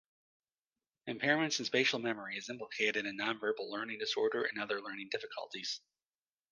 Impairments in spatial memory is implicated in nonverbal learning disorder and other learning difficulties.